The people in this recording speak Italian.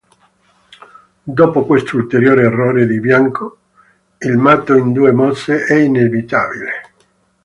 Dopo questo ulteriore errore del bianco, il matto in due mosse è inevitabile.